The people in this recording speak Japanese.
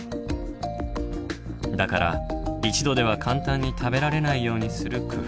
だから一度では簡単に食べられないようにする工夫。